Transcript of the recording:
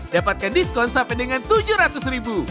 dapatkan diskon sampai dengan rp tujuh ratus